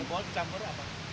karbol itu campur apa